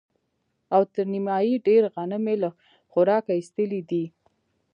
او تر نيمايي ډېر غنم يې له خوراکه ايستلي دي.